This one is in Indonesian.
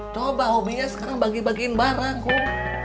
coba sekarang bagi bagiin barang kum